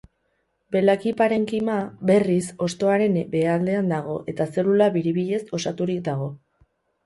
Belaki-parenkima, berriz, hostoaren behealdean dago eta zelula biribilez osaturik dago.